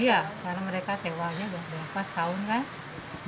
iya karena mereka sewanya udah berapa setahun kan